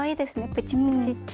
プチプチッて。